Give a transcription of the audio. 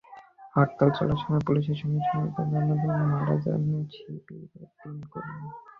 হরতাল চলার সময় পুলিশের সঙ্গে সহিংসতায় মারা যান শিবিরের তিন কর্মী।